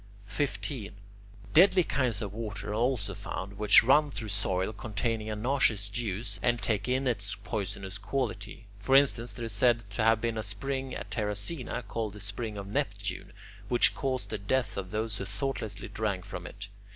15. Deadly kinds of water are also found, which run through soil containing a noxious juice, and take in its poisonous quality: for instance, there is said to have been a spring at Terracina, called the spring of Neptune, which caused the death of those who thoughtlessly drank from it.